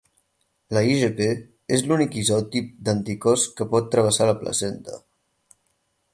La IgG és l'únic isotip d'anticòs que pot travessar la placenta.